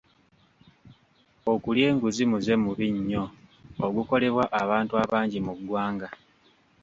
Okulya enguzi muze mubi nnyo ogukolebwa abantu abangi mu ggwanga.